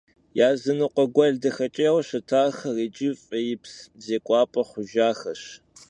Yazınıkhue guel daxeç'êyue şıtaxer yicı f'êips zêk'uap'e xhujjaxeş.